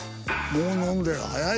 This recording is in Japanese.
もう飲んでる早いよ。